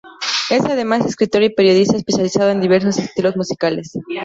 Es además escritor y periodista especializado en diversos estilos musicales.